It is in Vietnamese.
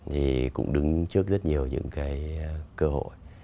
thì cũng đứng trước rất nhiều những cái cơ hội